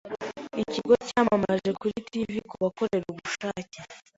Ikigo cyamamaje kuri TV kubakorerabushake.